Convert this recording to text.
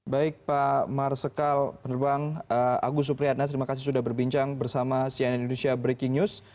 baik pak marsikal penerbang agus supriyatna terima kasih sudah berbincang bersama cnn indonesia breaking news